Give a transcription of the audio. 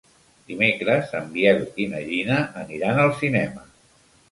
Dimecres en Biel i na Gina aniran al cinema.